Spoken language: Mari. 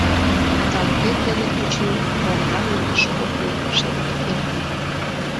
— Тазалыкет дене, очыни, фронтлан йӧрышӧ от лий, шерге эргым.